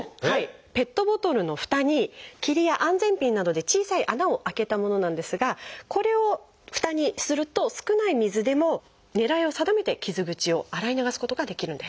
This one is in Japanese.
ペットボトルのふたにきりや安全ピンなどで小さい穴を開けたものなんですがこれをふたにすると少ない水でも狙いを定めて傷口を洗い流すことができるんです。